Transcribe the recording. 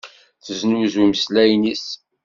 Teznuzu imeslayen-is.